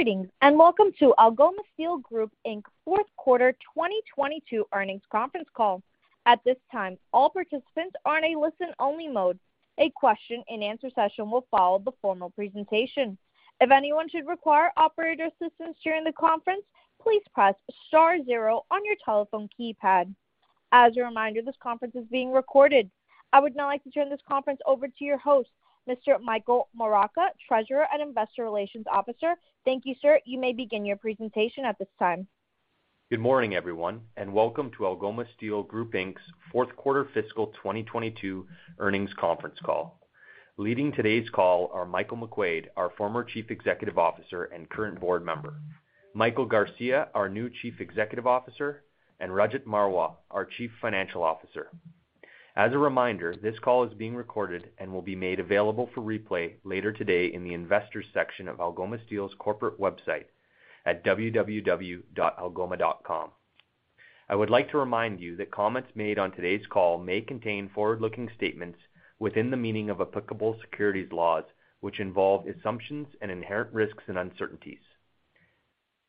Greetings, and welcome to Algoma Steel Group Inc.'s Fourth Quarter 2022 Earnings Conference Call. At this time, all participants are in a listen-only mode. A question-and-answer session will follow the formal presentation. If anyone should require operator assistance during the conference, please press star zero on your telephone keypad. As a reminder, this conference is being recorded. I would now like to turn this conference over to your host, Mr. Michael Morrocco, Treasurer and Investor Relations Officer. Thank you, sir. You may begin your presentation at this time. Good morning, everyone, and welcome to Algoma Steel Group Inc.'s fourth quarter fiscal 2022 earnings conference call. Leading today's call are Michael McQuade, our former Chief Executive Officer and current board member, Michael Garcia, our new Chief Executive Officer, and Rajat Marwah, our Chief Financial Officer. As a reminder, this call is being recorded and will be made available for replay later today in the Investors section of Algoma Steel's corporate website at www.algoma.com. I would like to remind you that comments made on today's call may contain forward-looking statements within the meaning of applicable securities laws, which involve assumptions and inherent risks and uncertainties.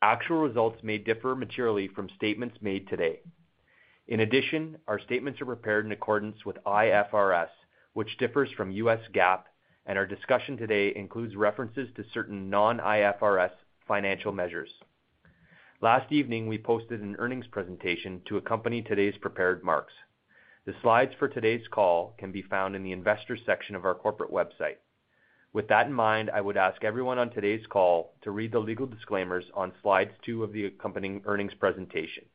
Actual results may differ materially from statements made today. In addition, our statements are prepared in accordance with IFRS, which differs from U.S. GAAP, and our discussion today includes references to certain non-IFRS financial measures. Last evening, we posted an earnings presentation to accompany today's prepared remarks. The slides for today's call can be found in the Investors section of our corporate website. With that in mind, I would ask everyone on today's call to read the legal disclaimers on slide two of the accompanying earnings presentation,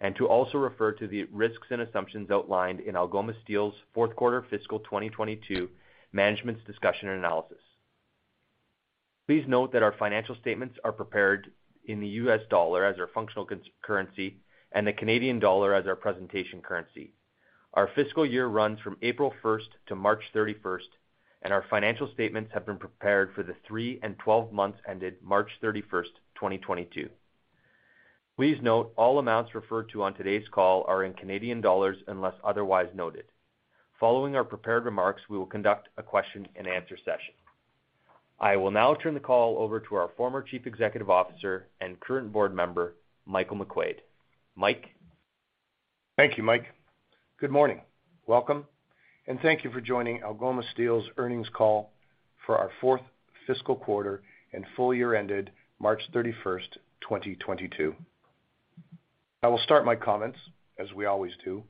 and to also refer to the risks and assumptions outlined in Algoma Steel's fourth quarter fiscal 2022 management's discussion and analysis. Please note that our financial statements are prepared in the U.S. dollar as our functional currency and the Canadian dollar as our presentation currency. Our fiscal year runs from April 1st to March 31st, and our financial statements have been prepared for the three and 12 months ended March 31, 2022. Please note all amounts referred to on today's call are in Canadian dollars unless otherwise noted. Following our prepared remarks, we will conduct a question-and-answer session. I will now turn the call over to our former Chief Executive Officer and current board member, Michael McQuade. Mike? Thank you, Mike. Good morning. Welcome, and thank you for joining Algoma Steel's earnings call for our fourth fiscal quarter and full year ended March 31st 2022. I will start my comments, as we always do,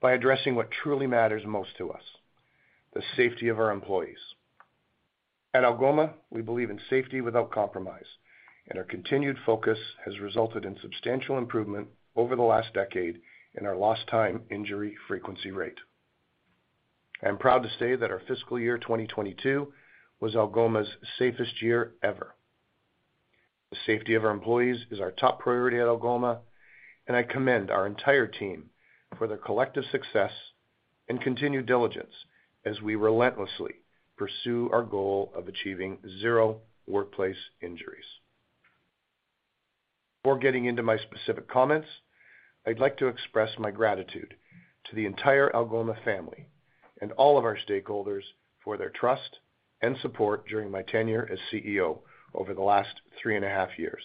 by addressing what truly matters most to us, the safety of our employees. At Algoma, we believe in safety without compromise, and our continued focus has resulted in substantial improvement over the last decade in our lost time injury frequency rate. I am proud to say that our fiscal year 2022 was Algoma's safest year ever. The safety of our employees is our top priority at Algoma, and I commend our entire team for their collective success and continued diligence as we relentlessly pursue our goal of achieving zero workplace injuries. Before getting into my specific comments, I'd like to express my gratitude to the entire Algoma family and all of our stakeholders for their trust and support during my tenure as CEO over the last three and a half years.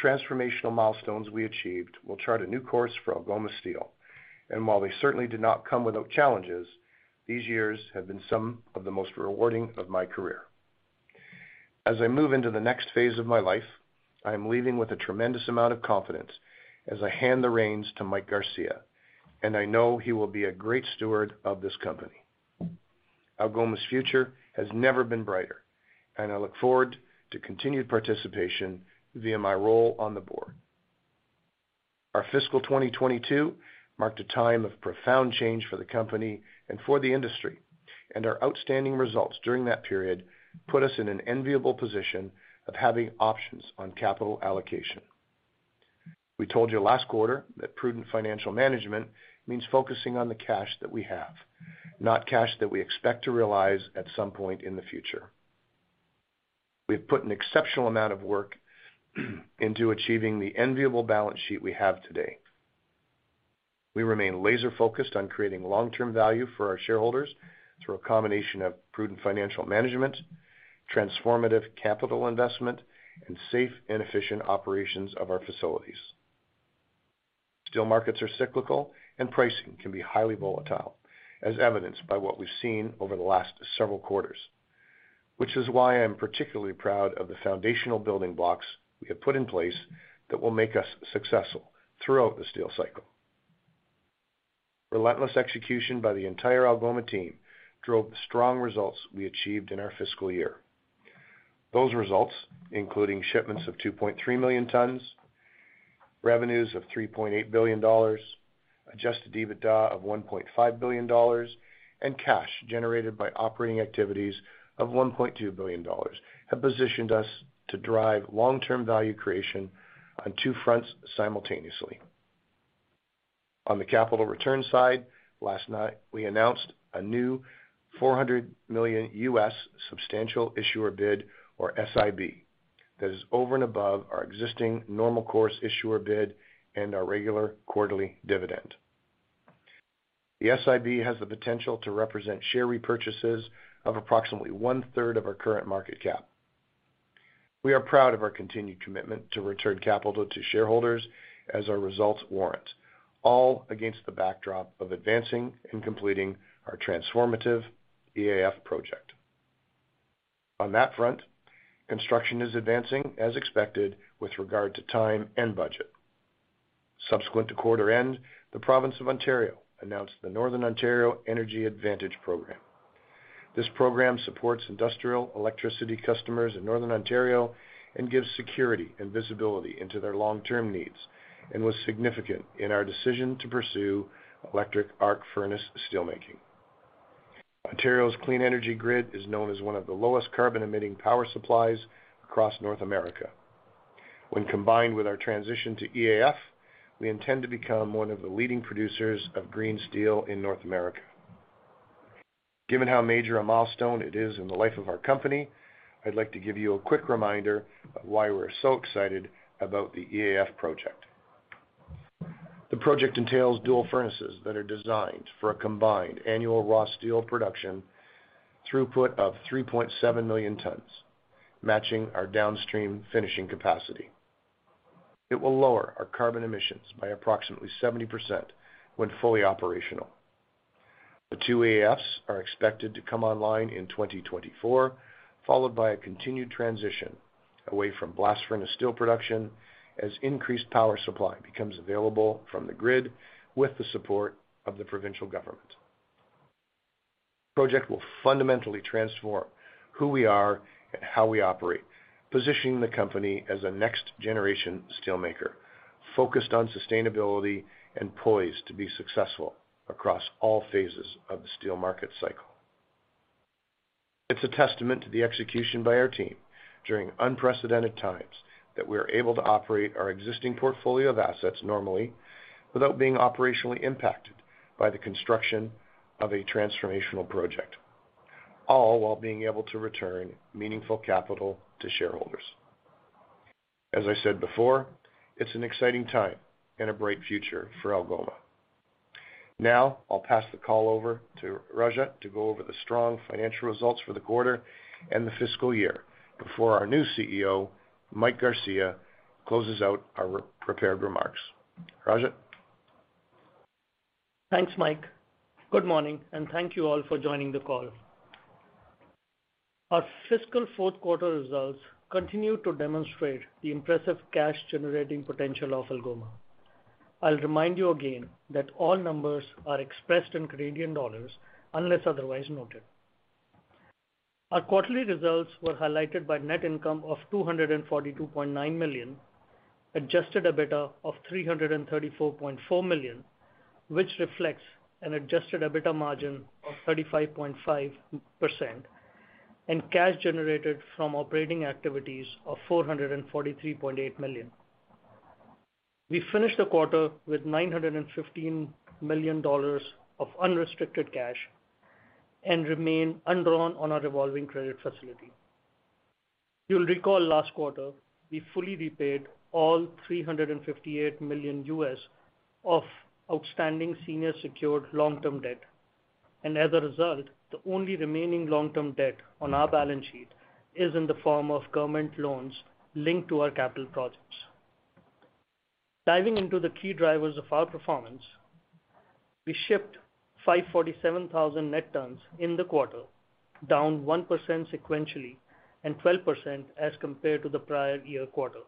The transformational milestones we achieved will chart a new course for Algoma Steel, and while they certainly did not come without challenges, these years have been some of the most rewarding of my career. As I move into the next phase of my life, I am leaving with a tremendous amount of confidence as I hand the reins to Michael Garcia, and I know he will be a great steward of this company. Algoma's future has never been brighter, and I look forward to continued participation via my role on the board. Our fiscal 2022 marked a time of profound change for the company and for the industry, and our outstanding results during that period put us in an enviable position of having options on capital allocation. We told you last quarter that prudent financial management means focusing on the cash that we have, not cash that we expect to realize at some point in the future. We've put an exceptional amount of work into achieving the enviable balance sheet we have today. We remain laser-focused on creating long-term value for our shareholders through a combination of prudent financial management, transformative capital investment, and safe and efficient operations of our facilities. Steel markets are cyclical, and pricing can be highly volatile, as evidenced by what we've seen over the last several quarters, which is why I'm particularly proud of the foundational building blocks we have put in place that will make us successful throughout the steel cycle. Relentless execution by the entire Algoma team drove the strong results we achieved in our fiscal year. Those results, including shipments of 2.3 million tons, revenues of $3.8 billion, adjusted EBITDA of $1.5 billion, and cash generated by operating activities of $1.2 billion, have positioned us to drive long-term value creation on two fronts simultaneously. On the capital return side, last night we announced a new $400 million substantial issuer bid or SIB that is over and above our existing normal course issuer bid and our regular quarterly dividend. The SIB has the potential to represent share repurchases of approximately one-third of our current market cap. We are proud of our continued commitment to return capital to shareholders as our results warrant, all against the backdrop of advancing and completing our transformative EAF project. On that front, construction is advancing as expected with regard to time and budget. Subsequent to quarter end, the province of Ontario announced the Northern Ontario Energy Advantage Program. This program supports industrial electricity customers in northern Ontario and gives security and visibility into their long-term needs, and was significant in our decision to pursue electric arc furnace steel making. Ontario's clean energy grid is known as one of the lowest carbon-emitting power supplies across North America. When combined with our transition to EAF, we intend to become one of the leading producers of green steel in North America. Given how major a milestone it is in the life of our company, I'd like to give you a quick reminder of why we're so excited about the EAF project. The project entails dual furnaces that are designed for a combined annual raw steel production throughput of 3.7 million tons, matching our downstream finishing capacity. It will lower our carbon emissions by approximately 70% when fully operational. The two EAFs are expected to come online in 2024, followed by a continued transition away from blast furnace steel production as increased power supply becomes available from the grid with the support of the provincial government. The project will fundamentally transform who we are and how we operate, positioning the company as a next-generation steelmaker, focused on sustainability and poised to be successful across all phases of the steel market cycle. It's a testament to the execution by our team during unprecedented times that we are able to operate our existing portfolio of assets normally without being operationally impacted by the construction of a transformational project, all while being able to return meaningful capital to shareholders. As I said before, it's an exciting time and a bright future for Algoma. Now, I'll pass the call over to Rajat to go over the strong financial results for the quarter and the fiscal year before our new CEO, Mike Garcia, closes out our re-prepared remarks. Rajat? Thanks, Mike. Good morning, and thank you all for joining the call. Our fiscal fourth quarter results continue to demonstrate the impressive cash-generating potential of Algoma. I'll remind you again that all numbers are expressed in Canadian dollars unless otherwise noted. Our quarterly results were highlighted by net income of 242.9 million, adjusted EBITDA of 334.4 million, which reflects an adjusted EBITDA margin of 35.5%, and cash generated from operating activities of 443.8 million. We finished the quarter with 915 million dollars of unrestricted cash and remain undrawn on our revolving credit facility. You'll recall last quarter, we fully repaid all $358 million U.S. of outstanding senior secured long-term debt. As a result, the only remaining long-term debt on our balance sheet is in the form of government loans linked to our capital projects. Diving into the key drivers of our performance, we shipped 547,000 net tons in the quarter, down 1% sequentially and 12% as compared to the prior year quarter.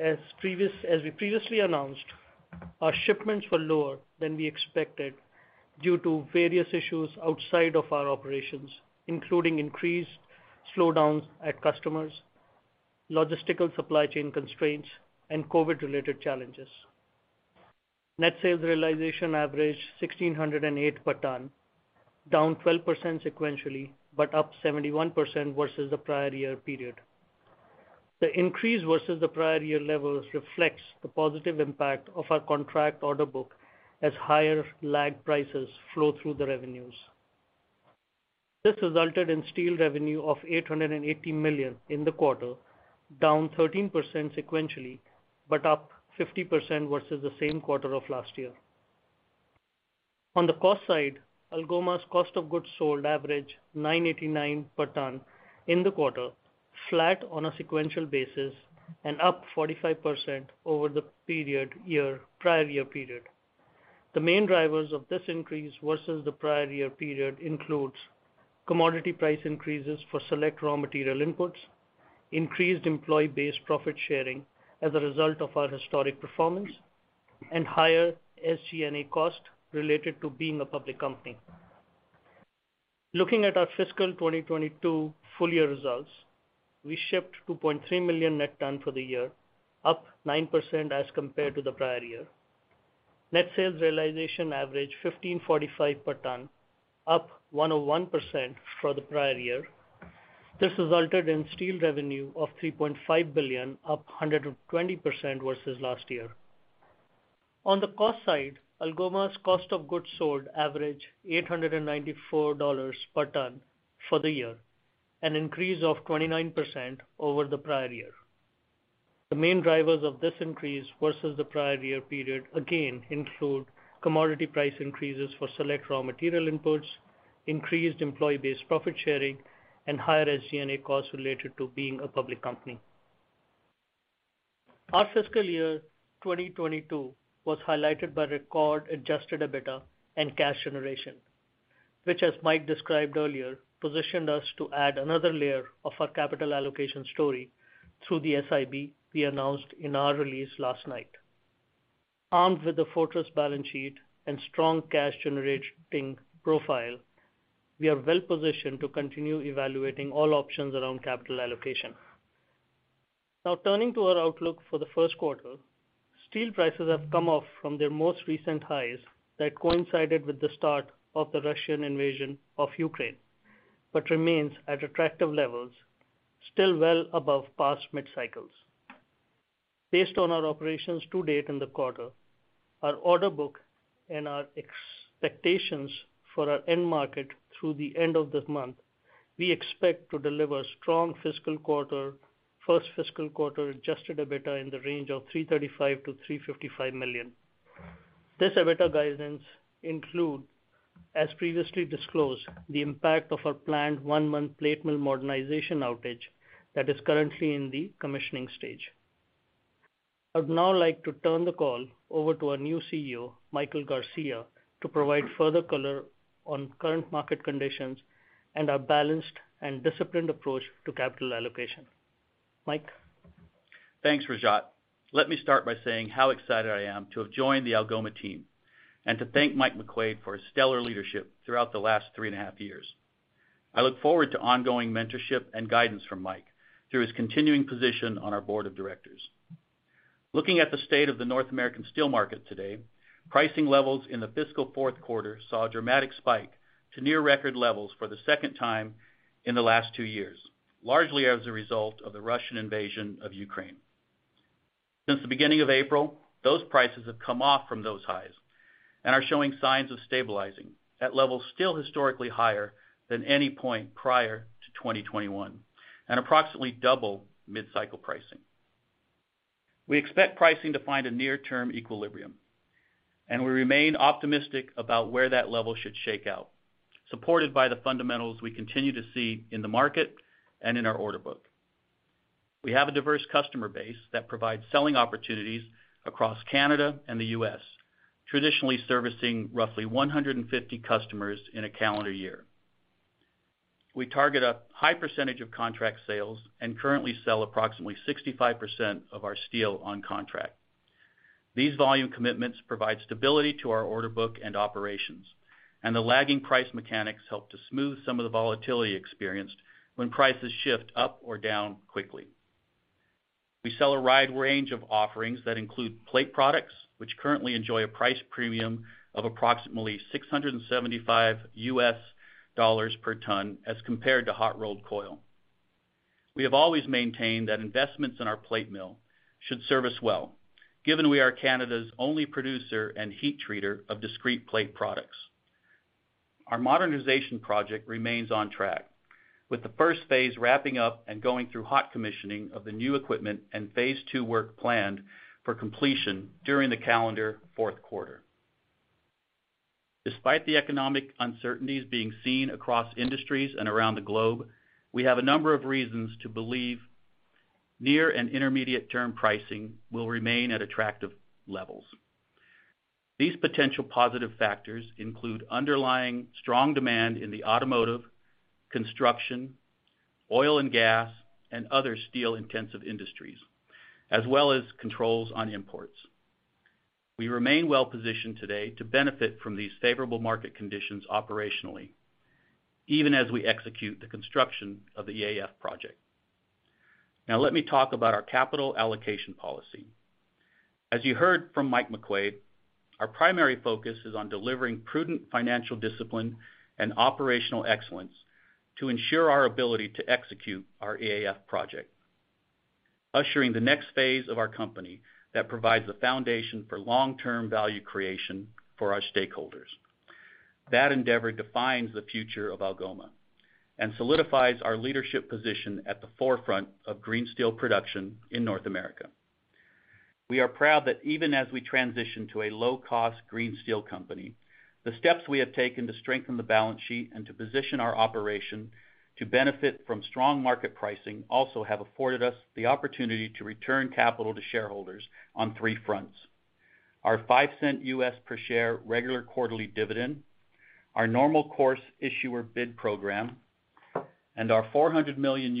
As we previously announced, our shipments were lower than we expected due to various issues outside of our operations, including increased slowdowns at customers, logistical supply chain constraints, and COVID-related challenges. Net sales realization averaged $1,608 per ton, down 12% sequentially, but up 71% versus the prior year period. The increase versus the prior year levels reflects the positive impact of our contract order book as higher lagged prices flow through the revenues. This resulted in steel revenue of $880 million in the quarter, down 13% sequentially, but up 50% versus the same quarter of last year. On the cost side, Algoma's cost of goods sold averaged $989 per ton in the quarter, flat on a sequential basis and up 45% over the prior year period. The main drivers of this increase versus the prior year period includes commodity price increases for select raw material inputs, increased employee-based profit sharing as a result of our historic performance, and higher SG&A costs related to being a public company. Looking at our fiscal 2022 full year results, we shipped 2.3 million net tons for the year, up 9% as compared to the prior year. Net sales realization averaged $1,545 per ton, up 101% for the prior year. This resulted in steel revenue of $3.5 billion, up 120% versus last year. On the cost side, Algoma's cost of goods sold averaged $894 per ton for the year, an increase of 29% over the prior year. The main drivers of this increase versus the prior year period, again, include commodity price increases for select raw material inputs, increased employee-based profit sharing, and higher SG&A costs related to being a public company. Our fiscal year 2022 was highlighted by record adjusted EBITDA and cash generation, which, as Mike described earlier, positioned us to add another layer of our capital allocation story through the SIB we announced in our release last night. Armed with a fortress balance sheet and strong cash-generating profile, we are well-positioned to continue evaluating all options around capital allocation. Now turning to our outlook for the first quarter, steel prices have come off from their most recent highs that coincided with the start of the Russian invasion of Ukraine, but remains at attractive levels, still well above past mid-cycles. Based on our operations to date in the quarter, our order book, and our expectations for our end market through the end of this month, we expect to deliver strong fiscal quarter, first fiscal quarter adjusted EBITDA in the range of $335 million-$355 million. This EBITDA guidance include, as previously disclosed, the impact of our planned one-month plate mill modernization outage that is currently in the commissioning stage. I'd now like to turn the call over to our new CEO, Michael Garcia, to provide further color on current market conditions and our balanced and disciplined approach to capital allocation. Mike? Thanks, Rajat. Let me start by saying how excited I am to have joined the Algoma team, and to thank Mike McQuade for his stellar leadership throughout the last three and a half years. I look forward to ongoing mentorship and guidance from Mike through his continuing position on our board of directors. Looking at the state of the North American steel market today, pricing levels in the fiscal fourth quarter saw a dramatic spike to near record levels for the second time in the last two years, largely as a result of the Russian invasion of Ukraine. Since the beginning of April, those prices have come off from those highs and are showing signs of stabilizing at levels still historically higher than any point prior to 2021, and approximately double mid-cycle pricing. We expect pricing to find a near-term equilibrium, and we remain optimistic about where that level should shake out, supported by the fundamentals we continue to see in the market and in our order book. We have a diverse customer base that provides selling opportunities across Canada and the U.S., traditionally servicing roughly 150 customers in a calendar year. We target a high percentage of contract sales and currently sell approximately 65% of our steel on contract. These volume commitments provide stability to our order book and operations, and the lagging price mechanics help to smooth some of the volatility experienced when prices shift up or down quickly. We sell a wide range of offerings that include plate products, which currently enjoy a price premium of approximately $675 per ton as compared to hot rolled coil. We have always maintained that investments in our plate mill should serve us well, given we are Canada's only producer and heat treater of discrete plate products. Our modernization project remains on track, with the first phase wrapping up and going through hot commissioning of the new equipment and phase two work planned for completion during the calendar fourth quarter. Despite the economic uncertainties being seen across industries and around the globe, we have a number of reasons to believe near and intermediate term pricing will remain at attractive levels. These potential positive factors include underlying strong demand in the automotive, construction, oil and gas, and other steel-intensive industries, as well as controls on imports. We remain well-positioned today to benefit from these favorable market conditions operationally, even as we execute the construction of the EAF project. Now, let me talk about our capital allocation policy. As you heard from Michael McQuade, our primary focus is on delivering prudent financial discipline and operational excellence to ensure our ability to execute our EAF project, ushering the next phase of our company that provides the foundation for long-term value creation for our stakeholders. That endeavor defines the future of Algoma and solidifies our leadership position at the forefront of green steel production in North America. We are proud that even as we transition to a low-cost green steel company, the steps we have taken to strengthen the balance sheet and to position our operation to benefit from strong market pricing also have afforded us the opportunity to return capital to shareholders on three fronts. Our $0.05 per share regular quarterly dividend, our normal course issuer bid program, and our $400 million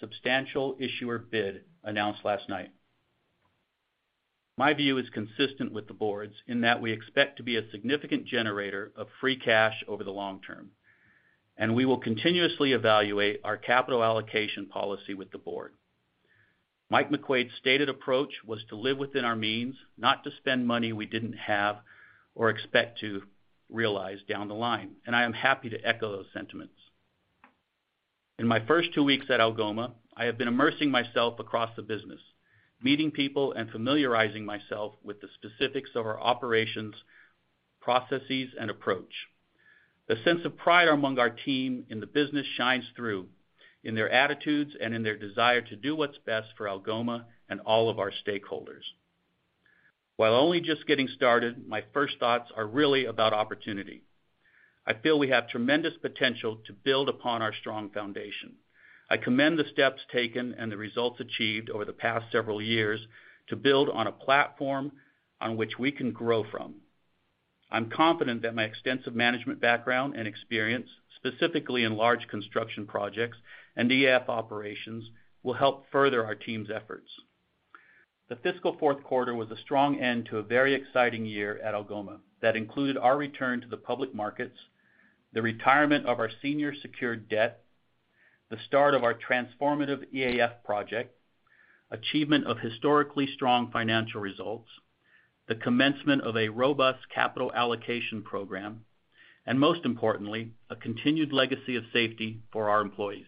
substantial issuer bid announced last night. My view is consistent with the board's in that we expect to be a significant generator of free cash over the long term, and we will continuously evaluate our capital allocation policy with the board. Mike McQuade's stated approach was to live within our means, not to spend money we didn't have or expect to realize down the line, and I am happy to echo those sentiments. In my first two weeks at Algoma, I have been immersing myself across the business, meeting people, and familiarizing myself with the specifics of our operations, processes, and approach. The sense of pride among our team in the business shines through in their attitudes and in their desire to do what's best for Algoma and all of our stakeholders. While only just getting started, my first thoughts are really about opportunity. I feel we have tremendous potential to build upon our strong foundation. I commend the steps taken and the results achieved over the past several years to build on a platform on which we can grow from. I'm confident that my extensive management background and experience, specifically in large construction projects and EAF operations, will help further our team's efforts. The fiscal fourth quarter was a strong end to a very exciting year at Algoma that included our return to the public markets, the retirement of our senior secured debt, the start of our transformative EAF project, achievement of historically strong financial results, the commencement of a robust capital allocation program, and most importantly, a continued legacy of safety for our employees.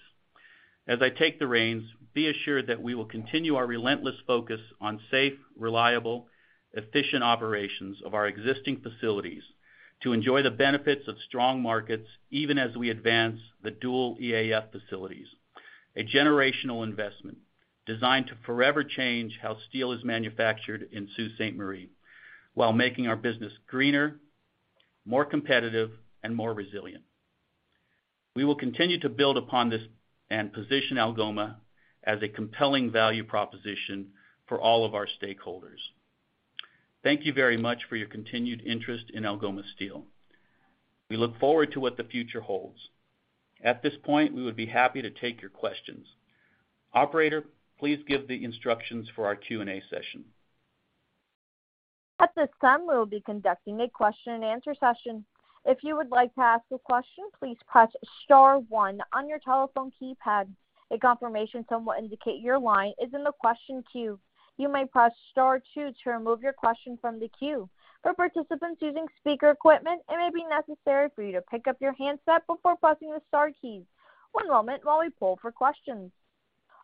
As I take the reins, be assured that we will continue our relentless focus on safe, reliable, efficient operations of our existing facilities to enjoy the benefits of strong markets, even as we advance the dual EAF facilities, a generational investment designed to forever change how steel is manufactured in Sault Ste. Marie while making our business greener, more competitive, and more resilient. We will continue to build upon this and position Algoma as a compelling value proposition for all of our stakeholders. Thank you very much for your continued interest in Algoma Steel. We look forward to what the future holds. At this point, we would be happy to take your questions. Operator, please give the instructions for our Q&A session. At this time, we will be conducting a question and answer session. If you would like to ask a question, please press star one on your telephone keypad. A confirmation tone will indicate your line is in the question queue. You may press star two to remove your question from the queue. For participants using speaker equipment, it may be necessary for you to pick up your handset before pressing the star keys. One moment while we poll for questions.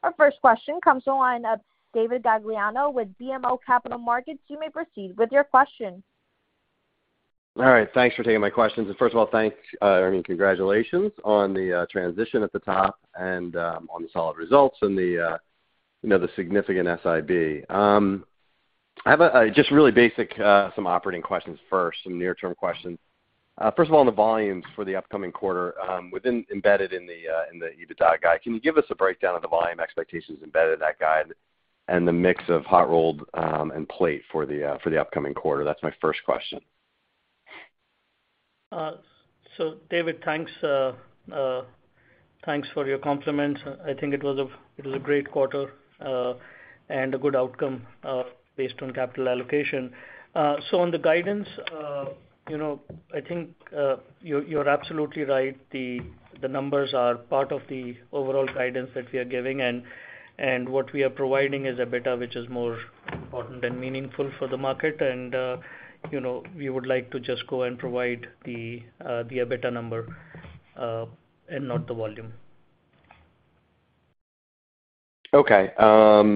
Our first question comes from the line of David Gagliano with BMO Capital Markets. You may proceed with your question. All right. Thanks for taking my questions. First of all, thanks, I mean, congratulations on the transition at the top and on the solid results and the, you know, the significant SIB. I have a just really basic some operating questions first, some near-term questions. First of all, on the volumes for the upcoming quarter, within, embedded in the EBITDA guide. Can you give us a breakdown of the volume expectations embedded in that guide and the mix of hot rolled and plate for the upcoming quarter? That's my first question. David, thanks. Thanks for your compliments. I think it was a great quarter, and a good outcome based on capital allocation. On the guidance, you know, I think you're absolutely right. The numbers are part of the overall guidance that we are giving, and what we are providing is a EBITDA which is more important and meaningful for the market. You know, we would like to just go and provide the EBITDA number, and not the volume. Okay. All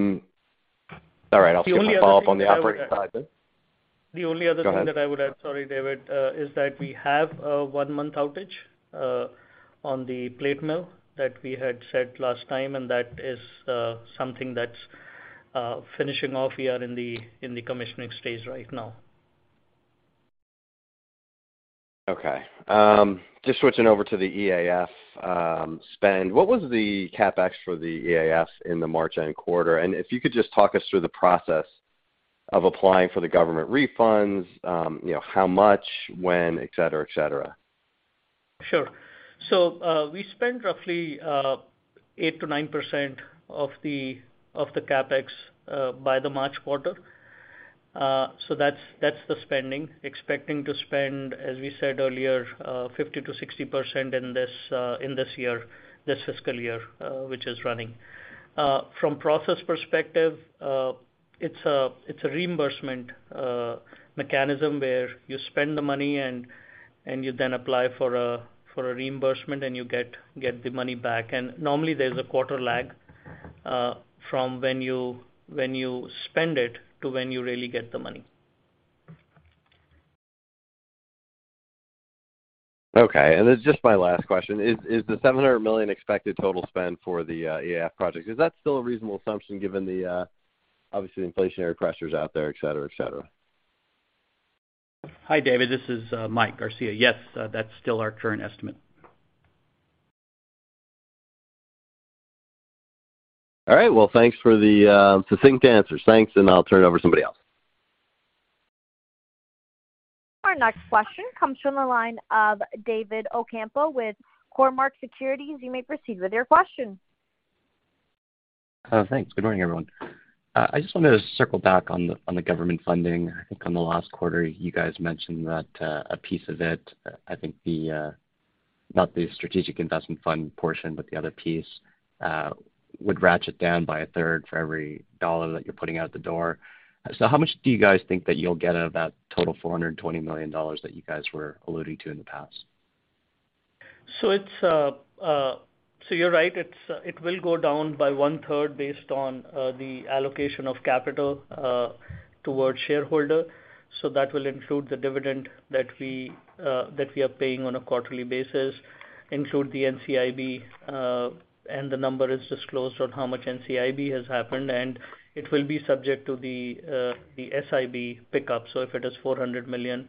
right. I'll follow up on the operating side then. The only other thing that I would add. Go ahead. Sorry, David. That's it. We have a one month outage on the plate mill that we had said last time, and that is something that's finishing off. We are in the commissioning stage right now. Okay. Just switching over to the EAF, spend. What was the CapEx for the EAF in the March end quarter? If you could just talk us through the process of applying for the government refunds, you know, how much, when, et cetera, et cetera? Sure. We spent roughly 8%-9% of the CapEx by the March quarter. That's the spending. Expecting to spend, as we said earlier, 50%-60% in this year, this fiscal year, which is running. From process perspective, it's a reimbursement mechanism where you spend the money and you then apply for a reimbursement and you get the money back. Normally there's a quarter lag from when you spend it to when you really get the money. Okay. This is just my last question. Is the $700 million expected total spend for the EAF project? Is that still a reasonable assumption given the obviously the inflationary pressures out there, et cetera, et cetera? Hi, David. This is Michael Garcia. Yes, that's still our current estimate. All right. Well, thanks for the succinct answers. Thanks, and I'll turn it over to somebody else. Our next question comes from the line of David Ocampo with Cormark Securities. You may proceed with your question. Thanks. Good morning, everyone. I just wanted to circle back on the government funding. I think on the last quarter you guys mentioned that a piece of it I think not the Strategic Innovation Fund portion, but the other piece, would ratchet down by a third for every dollar that you're putting out the door. How much do you guys think that you'll get out of that total $420 million that you guys were alluding to in the past? You're right, it will go down by one-third based on the allocation of capital towards shareholder. That will include the dividend that we are paying on a quarterly basis, include the NCIB, and the number is disclosed on how much NCIB has happened. It will be subject to the SIB pickup. If it is $400 million,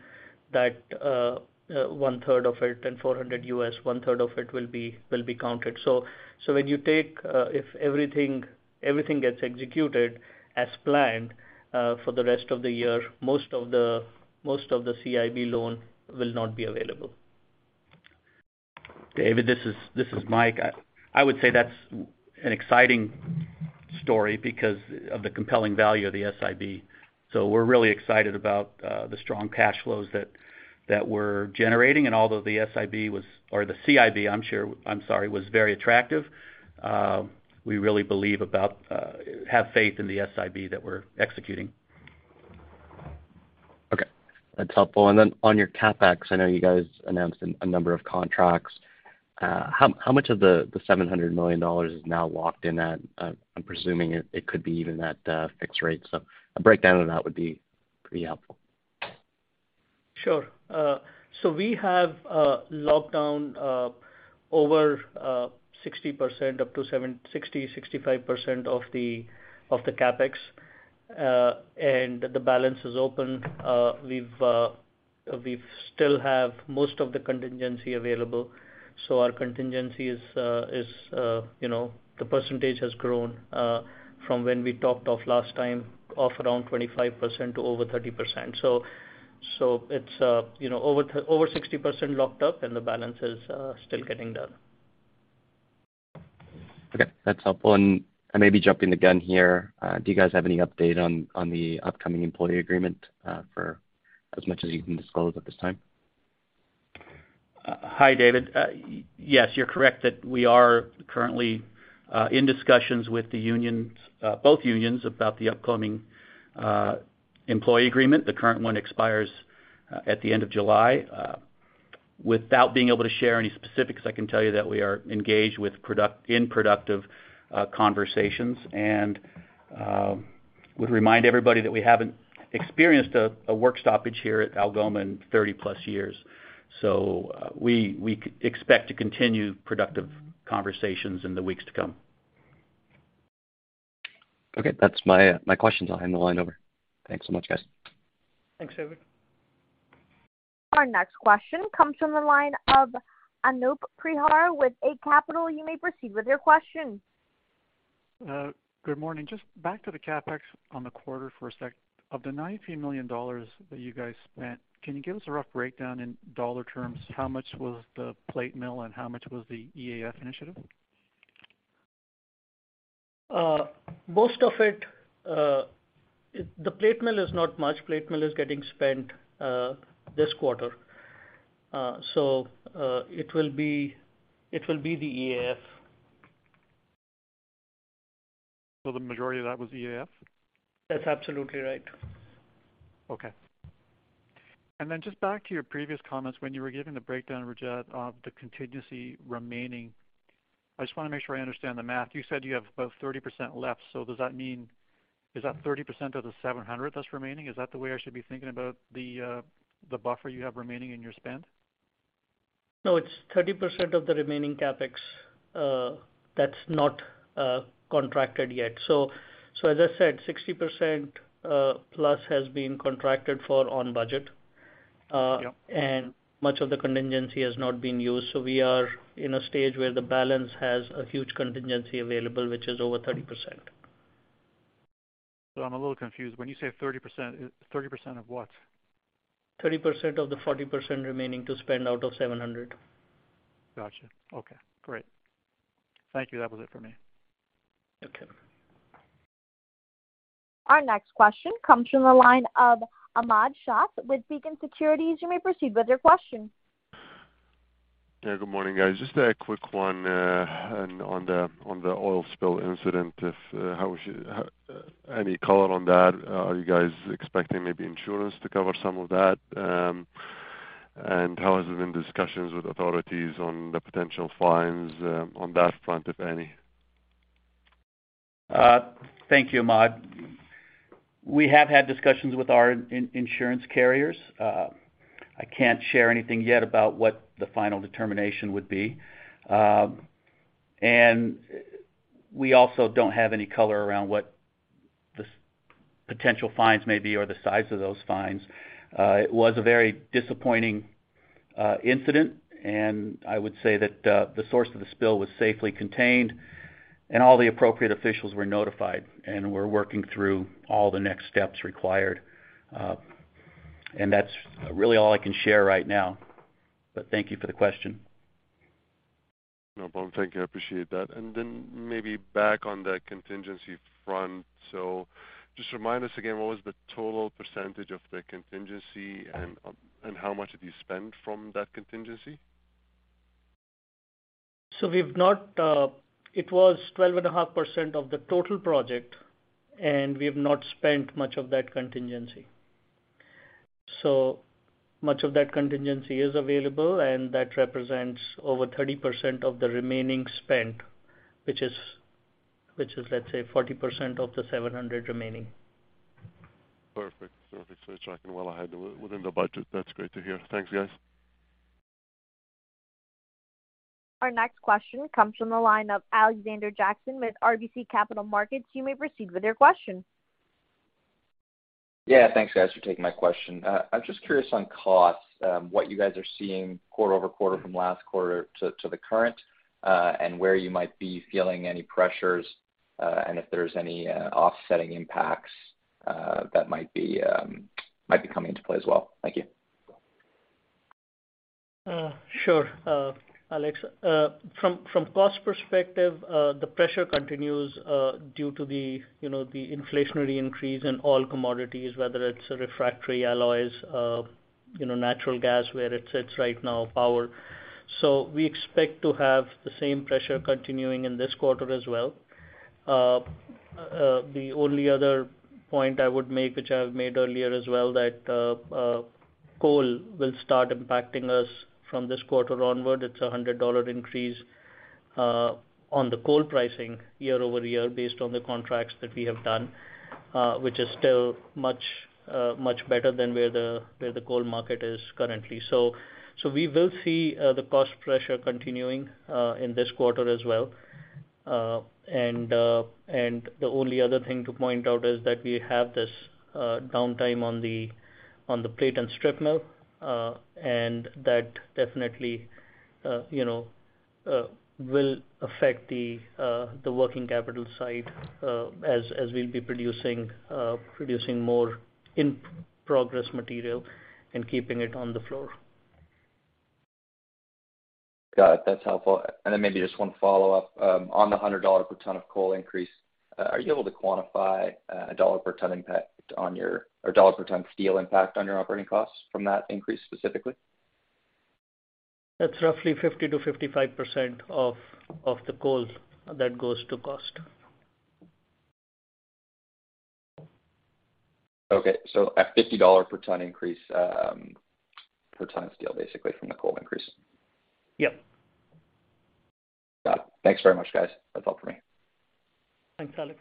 one-third of it, and $400 US million, one-third of it will be counted. When you take, if everything gets executed as planned for the rest of the year, most of the CIB loan will not be available. David, this is Mike. I would say that's an exciting story because of the compelling value of the SIB. We're really excited about the strong cash flows that we're generating. Although the SIB or the CIB, I'm sure, I'm sorry, was very attractive, we really have faith in the SIB that we're executing. Okay, that's helpful. On your CapEx, I know you guys announced a number of contracts. How much of the $700 million is now locked in at, I'm presuming it could be even at fixed rate. A breakdown of that would be pretty helpful. Sure, we have locked down over 60% up to 65% of the CapEx, and the balance is open. We still have most of the contingency available, so our contingency is, you know, the percentage has grown from when we talked of last time of around 25% to over 30%. It's, you know, over 60% locked up and the balance is still getting done. Okay, that's helpful. I may be jumping the gun here. Do you guys have any update on the upcoming employee agreement, for as much as you can disclose at this time? Hi, David. Yes, you're correct that we are currently in discussions with the unions, both unions about the upcoming employee agreement. The current one expires at the end of July. Without being able to share any specifics, I can tell you that we are engaged in productive conversations and would remind everybody that we haven't experienced a work stoppage here at Algoma in 30 years. We expect to continue productive conversations in the weeks to come. Okay. That's my questions. I'll hand the line over. Thanks so much, guys. Thanks, David. Our next question comes from the line of Anoop Prihar with Eight Capital. You may proceed with your question. Good morning. Just back to the CapEx on the quarter for a sec. Of the $93 million that you guys spent, can you give us a rough breakdown in dollar terms, how much was the plate mill and how much was the EAF initiative? Most of it, the plate mill is not much. Plate mill is getting spent this quarter. It will be the EAF. The majority of that was EAF? That's absolutely right. Okay. Just back to your previous comments when you were giving the breakdown, Rajat, of the contingency remaining. I just wanna make sure I understand the math. You said you have about 30% left. Does that mean? Is that 30% of the $700 that's remaining? Is that the way I should be thinking about the buffer you have remaining in your spend? No, it's 30% of the remaining CapEx, that's not contracted yet. As I said, 60% plus has been contracted for on budget. Yeah. Much of the contingency has not been used. We are in a stage where the balance has a huge contingency available, which is over 30%. I'm a little confused. When you say 30%, 30% of what? 30% of the 40% remaining to spend out of $700. Gotcha. Okay, great. Thank you. That was it for me. Okay. Our next question comes from the line of Ahmad Shah with Beacon Securities. You may proceed with your question. Yeah, good morning, guys. Just a quick one on the oil spill incident. Do you have any color on that? Are you guys expecting maybe insurance to cover some of that? And how have the discussions been with authorities on the potential fines on that front, if any? Thank you, Ahmad. We have had discussions with our insurance carriers. I can't share anything yet about what the final determination would be. We also don't have any color around what the potential fines may be or the size of those fines. It was a very disappointing incident, and I would say that the source of the spill was safely contained and all the appropriate officials were notified, and we're working through all the next steps required. That's really all I can share right now. Thank you for the question. No problem. Thank you. I appreciate that. Maybe back on the contingency front. Just remind us again, what was the total percentage of the contingency and how much have you spent from that contingency? It was 12.5% of the total project, and we have not spent much of that contingency. Much of that contingency is available, and that represents over 30% of the remaining spend, which is, let's say 40% of the $700 remaining. Perfect. It's tracking well ahead within the budget. That's great to hear. Thanks, guys. Our next question comes from the line of Alexander Jackson with RBC Capital Markets. You may proceed with your question. Yeah, thanks guys for taking my question. I'm just curious on costs, what you guys are seeing quarter-over-quarter from last quarter to the current, and where you might be feeling any pressures, and if there's any offsetting impacts that might be coming into play as well. Thank you. Sure, Alex. From cost perspective, the pressure continues due to the, you know, the inflationary increase in all commodities, whether it's refractory alloys, you know, natural gas, where it sits right now, power. We expect to have the same pressure continuing in this quarter as well. The only other point I would make, which I have made earlier as well, that coal will start impacting us from this quarter onward. It's a $100 increase on the coal pricing year-over-year based on the contracts that we have done, which is still much better than where the coal market is currently. We will see the cost pressure continuing in this quarter as well. The only other thing to point out is that we have this downtime on the plate and strip mill, and that definitely, you know, will affect the working capital side, as we'll be producing more in progress material and keeping it on the floor. Got it. That's helpful. Then maybe just one follow-up on the $100 per ton of coal increase. Are you able to quantify a $1 per ton impact on your or $1 per ton steel impact on your operating costs from that increase specifically? That's roughly 50%-55% of the coal that goes to cost. Okay. At $50 per ton increase, per ton of steel, basically from the coal increase. Yep. Got it. Thanks very much, guys. That's all for me. Thanks, Alex.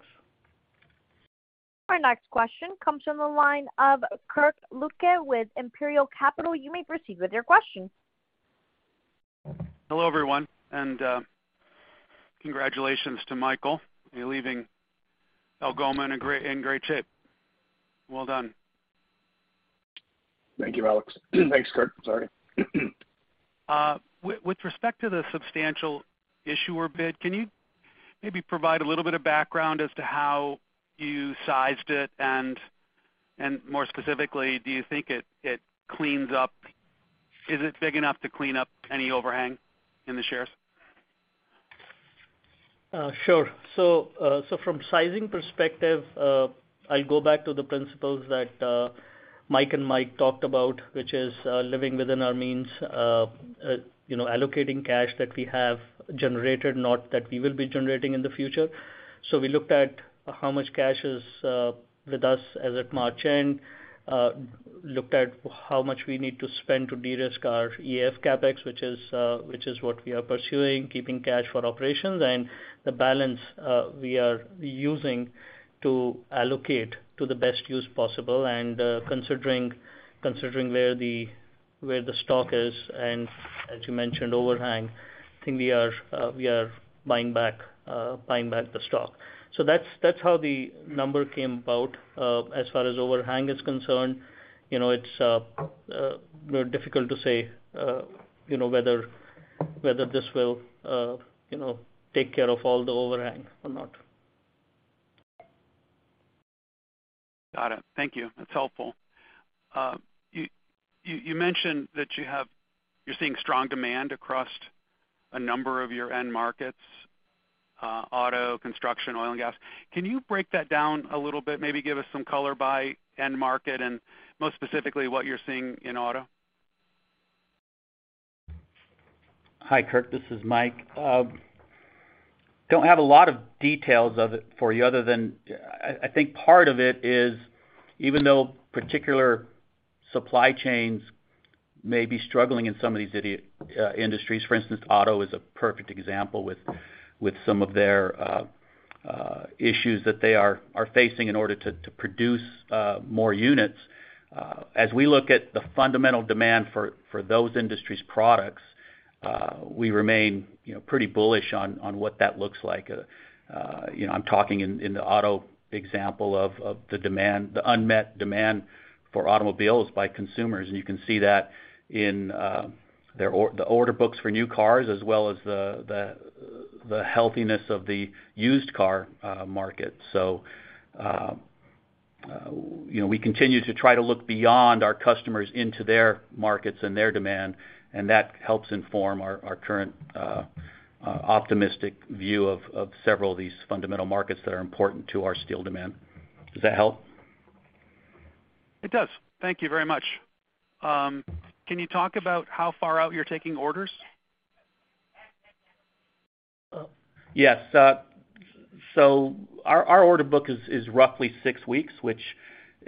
Our next question comes from the line of Kirk Ludtke with Imperial Capital. You may proceed with your question. Hello, everyone, and congratulations to Michael. You're leaving Algoma in great shape. Well done. Thank you, Alex. Thanks, Kirk. Sorry. With respect to the substantial issuer bid, can you maybe provide a little bit of background as to how you sized it? More specifically, do you think it cleans up? Is it big enough to clean up any overhang in the shares? Sure. From sizing perspective, I'll go back to the principles that Mike and Mike talked about, which is living within our means, you know, allocating cash that we have generated, not that we will be generating in the future. We looked at how much cash is with us as at March end, looked at how much we need to spend to de-risk our EAF CapEx, which is what we are pursuing, keeping cash for operations and the balance we are using to allocate to the best use possible. Considering where the stock is and as you mentioned, overhang, I think we are buying back the stock. That's how the number came about. As far as overhang is concerned, you know, it's difficult to say, you know, whether this will, you know, take care of all the overhang or not. Got it. Thank you. That's helpful. You mentioned that you're seeing strong demand across a number of your end markets, auto, construction, oil and gas. Can you break that down a little bit? Maybe give us some color by end market and most specifically what you're seeing in auto. Hi, Kirk, this is Mike. Don't have a lot of details of it for you other than I think part of it is even though particular supply chains may be struggling in some of these industries, for instance, auto is a perfect example with some of their issues that they are facing in order to produce more units. As we look at the fundamental demand for those industries products, we remain, you know, pretty bullish on what that looks like. You know, I'm talking in the auto example of the demand, the unmet demand for automobiles by consumers. You can see that in their order books for new cars as well as the healthiness of the used car market. you know, we continue to try to look beyond our customers into their markets and their demand, and that helps inform our current optimistic view of several of these fundamental markets that are important to our steel demand. Does that help? It does. Thank you very much. Can you talk about how far out you're taking orders? Yes. Our order book is roughly 6 weeks, which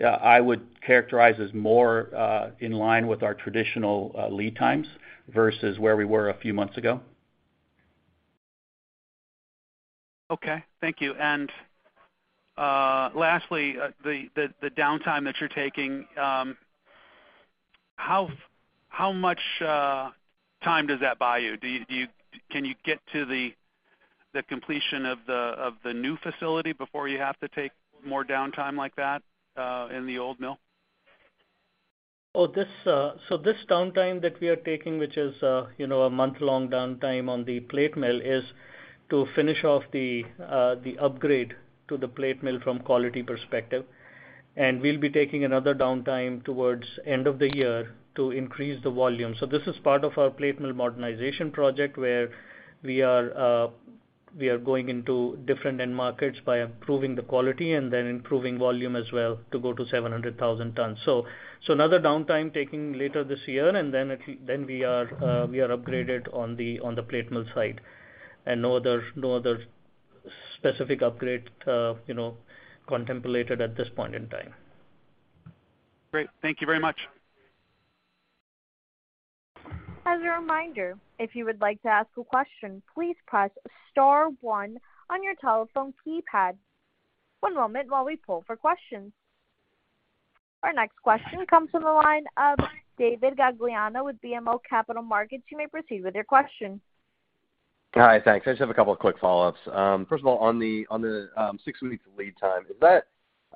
I would characterize as more in line with our traditional lead times versus where we were a few months ago. Okay. Thank you. Lastly, the downtime that you're taking, how much time does that buy you? Can you get to the completion of the new facility before you have to take more downtime like that in the old mill? This downtime that we are taking, which is, you know, a month-long downtime on the plate mill, is to finish off the upgrade to the plate mill from quality perspective. We'll be taking another downtime towards end of the year to increase the volume. This is part of our plate mill modernization project, where we are going into different end markets by improving the quality and then improving volume as well to go to 700,000 tons. Another downtime taking later this year, and then we are upgraded on the plate mill side. No other specific upgrade, you know, contemplated at this point in time. Great. Thank you very much. As a reminder, if you would like to ask a question, please press star one on your telephone keypad. One moment while we pull for questions. Our next question comes from the line of David Gagliano with BMO Capital Markets. You may proceed with your question. Hi. Thanks. I just have a couple of quick follow-ups. First of all, on the six weeks lead time, is that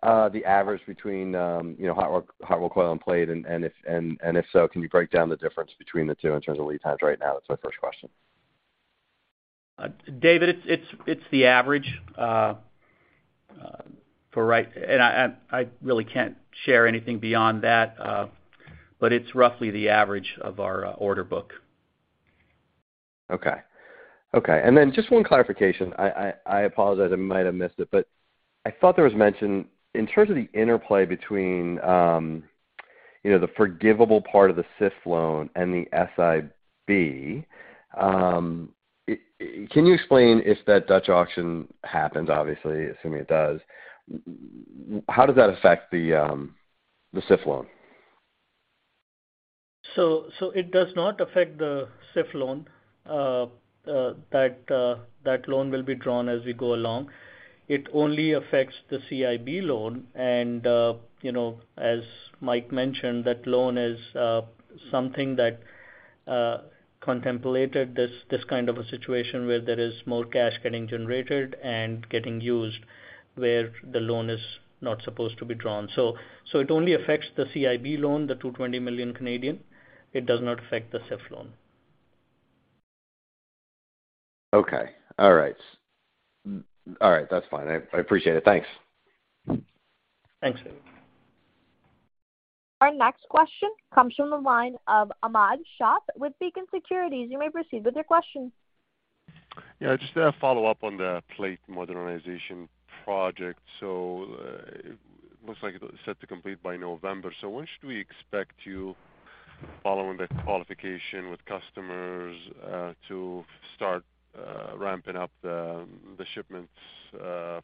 the average between you know hot rolled coil and plate? If so, can you break down the difference between the two in terms of lead times right now? That's my first question. David, it's the average. I really can't share anything beyond that, but it's roughly the average of our order book. Okay. Then just one clarification. I apologize, I might have missed it, but I thought there was mention in terms of the interplay between, you know, the forgivable part of the SIF loan and the SIB. Can you explain if that Dutch auction happens, obviously, assuming it does, how does that affect the SIF loan? It does not affect the SIF loan. That loan will be drawn as we go along. It only affects the CIB loan. You know, as Mike mentioned, that loan is something that contemplated this kind of a situation where there is more cash getting generated and getting used where the loan is not supposed to be drawn. It only affects the CIB loan, the 220 million. It does not affect the SIF loan. Okay. All right. That's fine. I appreciate it. Thanks. Thanks, David. Our next question comes from the line of Ahmad Shah with Beacon Securities. You may proceed with your question. Yeah, just a follow-up on the plate modernization project. Looks like it was set to complete by November. When should we expect you following the qualification with customers to start ramping up the shipments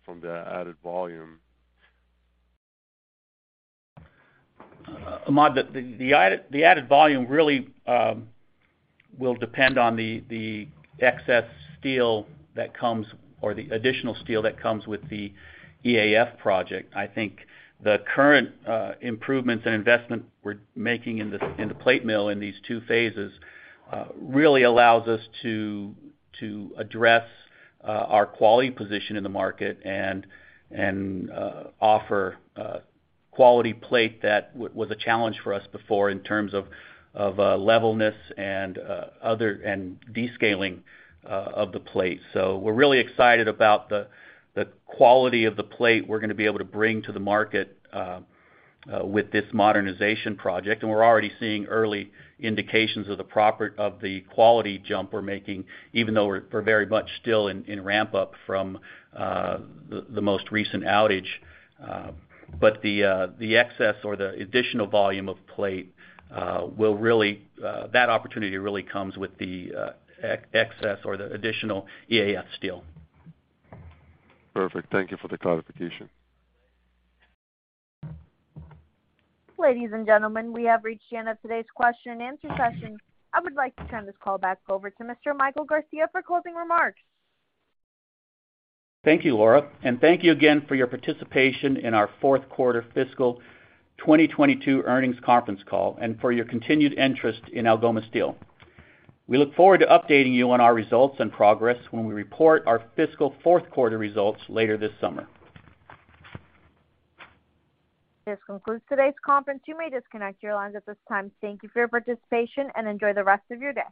from the added volume? Ahmad, the added volume really will depend on the excess steel that comes or the additional steel that comes with the EAF project. I think the current improvements and investment we're making in the plate mill in these two phases really allows us to address our quality position in the market and offer quality plate that was a challenge for us before in terms of levelness and other and descaling of the plate. We're really excited about the quality of the plate we're gonna be able to bring to the market with this modernization project. We're already seeing early indications of the quality jump we're making, even though we're very much still in ramp-up from the most recent outage. The excess or the additional volume of plate. That opportunity really comes with the excess or the additional EAF steel. Perfect. Thank you for the clarification. Ladies and gentlemen, we have reached the end of today's question and answer session. I would like to turn this call back over to Mr. Michael Garcia for closing remarks. Thank you, Laura. Thank you again for your participation in our fourth quarter fiscal 2022 earnings conference call and for your continued interest in Algoma Steel. We look forward to updating you on our results and progress when we report our fiscal fourth quarter results later this summer. This concludes today's conference. You may disconnect your lines at this time. Thank you for your participation and enjoy the rest of your day.